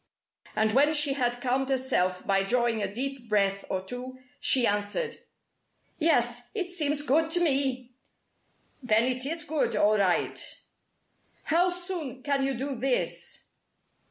And when she had calmed herself by drawing a deep breath or two, she answered: "Yes, it seems good to me!" "Then it is good, all right!" "How soon can you do this?"